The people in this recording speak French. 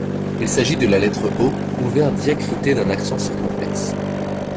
Il s’agit de la lettre O ouvert diacritée d'un accent circonflexe.